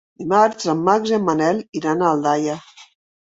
Dimarts en Max i en Manel iran a Aldaia.